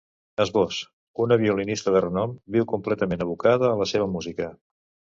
Esbós: Una violinista de renom viu completament abocada a la seva música.